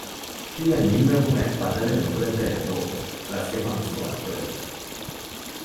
ތިޔަ ނިންމެވުމެއް ބަދަލެއް ނުކުރެއްވޭނެތޯ؟ ރަސްގެފާނު ސުވާލުކުރެއްވި